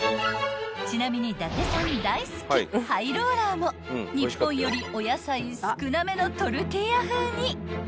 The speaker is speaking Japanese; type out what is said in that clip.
［ちなみに伊達さん大好きハイローラーも日本よりお野菜少なめのトルティーヤ風に］